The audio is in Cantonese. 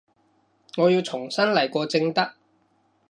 我要重新來過正得